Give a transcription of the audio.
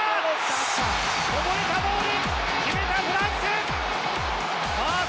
こぼれたボール決めたフランス！